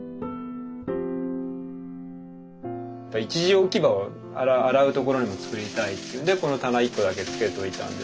一時置き場を洗う所にも作りたいっていうんでこの棚一個だけ付けといたんですけど。